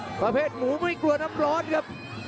ประเภทหมูไม่กลัวน้ำร้อนครับ